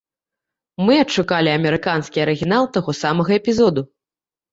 Мы адшукалі амерыканскі арыгінал таго самага эпізоду.